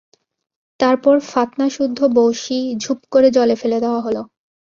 তারপর ফাতনা-সুদ্ধ বঁড়শি, ঝুপ করে জলে ফেলে দেওয়া হল।